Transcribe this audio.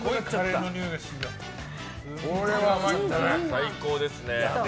最高ですね。